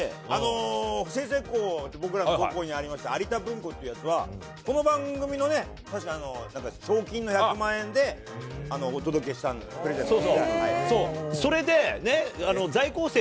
済々黌、僕らの母校にありました有田文庫ってやつは、この番組のね、確か賞金の１００万円でお届けした、プレゼントしたんです。